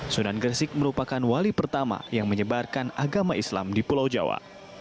sunan gresik merupakan wali pertama yang menyebarkan agama islam di pulau jawa